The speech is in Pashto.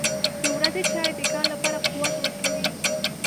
• د ورځې چای د کار لپاره قوت ورکوي.